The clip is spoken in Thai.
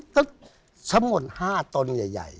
ก็ชะมด๕ตนใหญ่